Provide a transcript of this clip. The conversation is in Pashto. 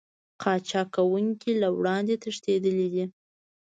قاچاق کوونکي له وړاندې تښتېدلي دي